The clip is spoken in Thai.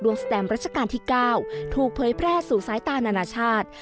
สแตมรัชกาลที่๙ถูกเผยแพร่สู่สายตานานาชาติ